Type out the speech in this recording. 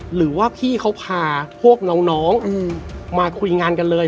หรือว่าพี่เขาพาพวกน้องมาคุยงานกันเลย